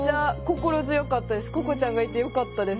ここちゃんがいてよかったです。